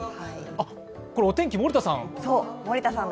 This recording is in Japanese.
あっ、これ、お天気、森田さん。